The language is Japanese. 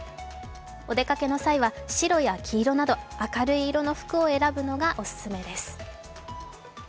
お出かけの際は白や黄色など、明るい色の服を選ぶのがオススメです。